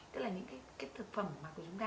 tức là những cái thực phẩm của chúng ta